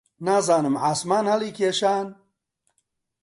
نازانم عاسمان هەڵیکێشان؟